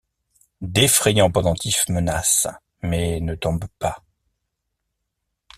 D’effrayants pendentifs menacent, mais ne tombent pas.